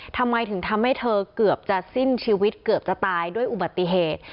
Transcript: ทำไมถึงทำให้เธอเกือบจะสิ้นชีวิตเกือบจะตายด้วยอุบัติเหตุ